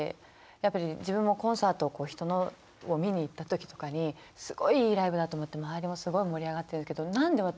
やっぱり自分もコンサート人のを見に行った時とかにすごいいいライブだと思って周りもすごい盛り上がってるけどなんで私